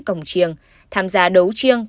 cồng chiêng tham gia đấu chiêng